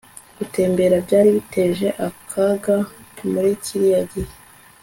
Gutembera byari biteje akaga muri kiriya gihe